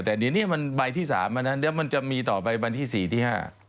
แต่เดี๋ยวนี้มันใบที่๓แล้วมันจะมีต่อไปใบที่๔ที่๕